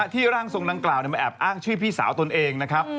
โหดมากเลยนะฮะที่ร่างทรงดังกล่าวเนี่ยมาแอบอ้างชื่อพี่สาวตนเองนะครับ